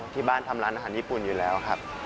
ที่บ้านทำร้านอาหารญี่ปุ่นอยู่แล้วครับ